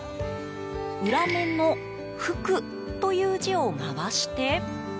裏面の「福」という字を回して。